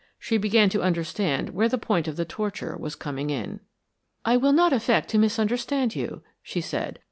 She began to understand where the point of the torture was coming in. "I will not affect to misunderstand you," she said.